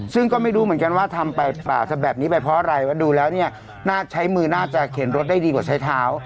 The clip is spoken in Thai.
ซึ่งก็ไม่รู้เหมือนกันว่าทำไปแบบนี้ไปเพราะอะไรว่าดูแล้วเนี่ยน่าใช้มือน่าจะเข็นรถได้ดีกว่าใช้เท้า